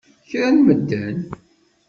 Kra n medden!